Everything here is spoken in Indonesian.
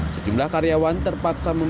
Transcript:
sejumlah karyawan terpaksa memindahkan